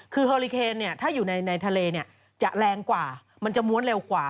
คือเฮอลิเคนถ้าอยู่ในทะเลจะแรงกว่ามันจะม้วนเร็วกว่า